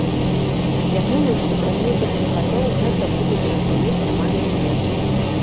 Я думаю, што праз некалькі гадоў гэта будуць разумець амаль усе!